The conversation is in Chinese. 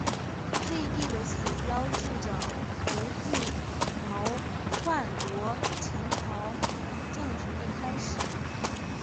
废帝的死标志着胡季牦篡夺陈朝政权的开始。